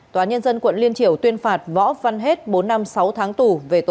tòa nhân dân quận liên triểu tuyên phạt võ văn hết bốn năm sáu tháng tù